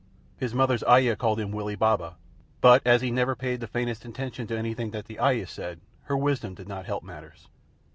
His mother's ayah called him Willie Baba, but as he never paid the faintest attention to anything that the ayah said, her wisdom did not help matters.